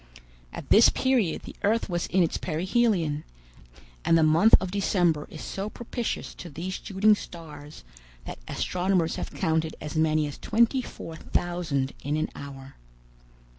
At this period the earth was in its perihelion, and the month of December is so propitious to these shooting stars, that astronomers have counted as many as twenty four thousand in an hour.